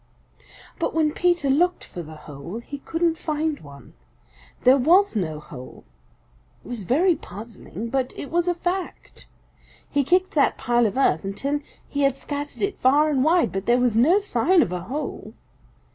But when Peter looked for the hole he couldn't find one. There was no hole. It was very puzzling, but it was a fact. He kicked that pile of earth until he had scattered it far and wide, but there was no sign of a hole.